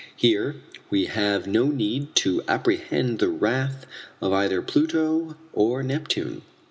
Here we have no need to apprehend the wrath of either Pluto or Neptune."